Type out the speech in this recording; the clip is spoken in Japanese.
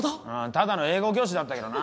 ただの英語教師だったけどな。